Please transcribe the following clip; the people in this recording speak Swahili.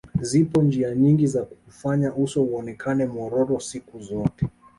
Zipo njia nyingi za kuufanya uso uonekane mwororo siku zote